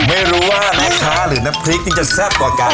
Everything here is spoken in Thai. ไม่รู้ว่าลูกค้าหรือน้ำพริกนี่จะแซ่บกว่ากัน